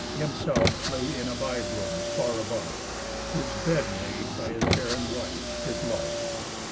Himself lay in a by room, far above, His bed made by his barren wife, his love.